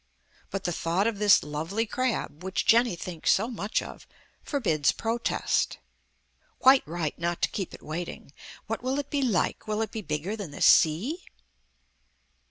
But the thought of this lovely crab, which Jenny thinks so much of, forbids protest. Quite right not to keep it waiting. What will it be like? Will it be bigger than the sea?